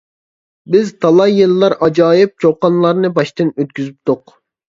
بىز تالاي يىللار ئاجايىپ چۇقانلارنى باشتىن ئۆتكۈزۈپتۇق.